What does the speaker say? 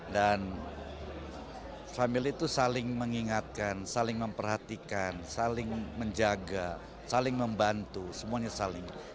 dan family itu saling mengingatkan saling memperhatikan saling menjaga saling membantu semuanya saling